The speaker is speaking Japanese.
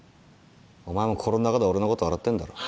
お前も心の中では俺のこと笑ってんだろ？